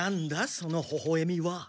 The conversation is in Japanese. そのほほえみは。